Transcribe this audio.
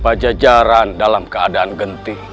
pada jajaran dalam keadaan gentih